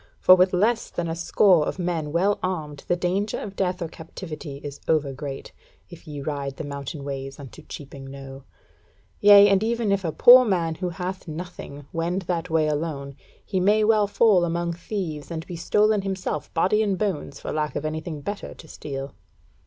For with less than a score of men well armed the danger of death or captivity is over great, if ye ride the mountain ways unto Cheaping Knowe. Yea, and even if a poor man who hath nothing, wend that way alone, he may well fall among thieves, and be stolen himself body and bones, for lack of anything better to steal."